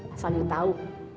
asal yu tahu